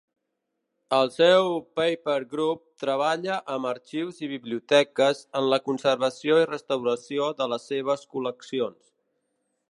El seu Paper Group treballa amb arxius i biblioteques en la conservació i restauració de les seves col·leccions.